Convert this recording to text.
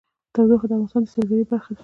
تودوخه د افغانستان د سیلګرۍ برخه ده.